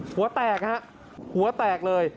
หัวแตกนะครับหัวแตกเลย